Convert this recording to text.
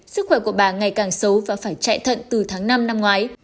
sức khỏe của bà ngày càng xấu và phải chạy thận từ tháng năm năm ngoái